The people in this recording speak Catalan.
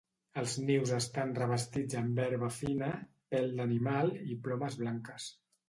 Els nius estan revestits amb herba fina, pèl d'animal i plomes blanques.